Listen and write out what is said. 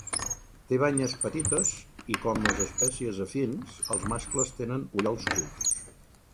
Té banyes petites i, com les espècies afins, els mascles tenen ullals curts.